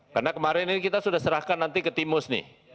karena kemarin ini kita sudah serahkan nanti ke timus nih